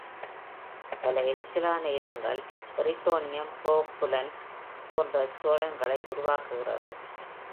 பல எரிச்சலான இனங்கள் "எரித்ரோனியம் புரோபுல்லன்ஸ்" போன்ற ஸ்டோலன்களை உருவாக்குகின்றது.